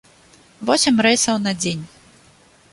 Восем рэйсаў на дзень.